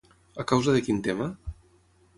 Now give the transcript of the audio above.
A causa de quin tema?